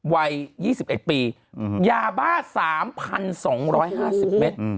วัย๒๑ปียาบ้า๓๒๕๐เมตร